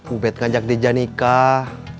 ubet ngajak diza nikah